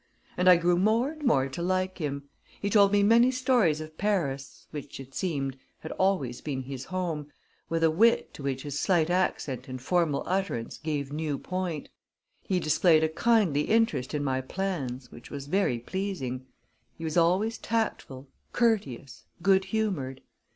And I grew more and more to like him he told me many stories of Paris, which, it seemed, had always been his home, with a wit to which his slight accent and formal utterance gave new point; he displayed a kindly interest in my plans which was very pleasing; he was always tactful, courteous, good humored.